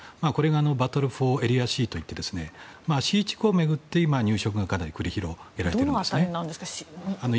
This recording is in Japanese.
バトルフォーエリアＣといってＣ地区を巡って争いが繰り広げられてるんですね。